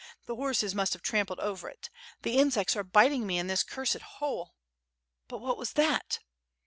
The horses must have trampled over it. The insects are biting me in this cursed hole. But what was that?"